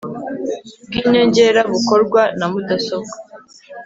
bw inyongera bukorwa na mudasobwa